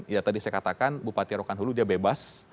ya tadi saya katakan bupati rokan hulu dia bebas